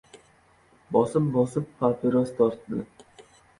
Bosib-bosib papiros tortdi.